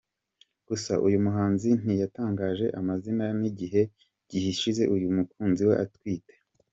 Gusa uyu muhanzi ntiyatangaje amazina n’igihe gishize uyu mukunzi we atwite.